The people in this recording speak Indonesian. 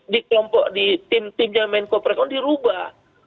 di kelompok di tim timnya mk di rubah